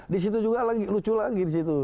disitu juga lucu lagi